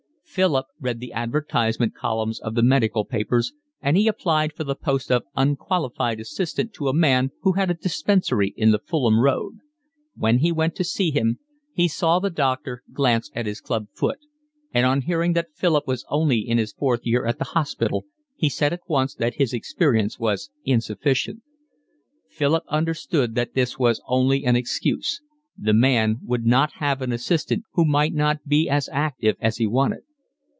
Philip read the advertisement columns of the medical papers, and he applied for the post of unqualified assistant to a man who had a dispensary in the Fulham Road. When he went to see him, he saw the doctor glance at his club foot; and on hearing that Philip was only in his fourth year at the hospital he said at once that his experience was insufficient: Philip understood that this was only an excuse; the man would not have an assistant who might not be as active as he wanted.